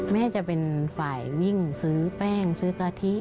แม่จะเป็นฝ่ายวิ่งซื้อแป้งซื้อกะทิ